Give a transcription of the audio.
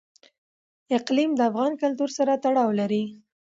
اقلیم د افغان کلتور سره تړاو لري.